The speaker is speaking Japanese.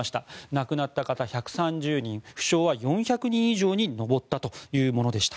亡くなった方１３０人負傷は４００人以上に上ったというものでした。